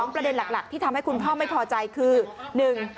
ประเด็นหลักที่ทำให้คุณพ่อไม่พอใจคือ